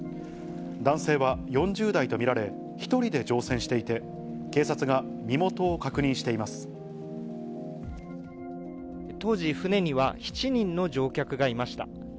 男性は４０代と見られ、１人で乗船していて、警察が身元を確認し当時、船には７人の乗客がいました。